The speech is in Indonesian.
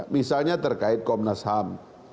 misalnya terkait komnas ham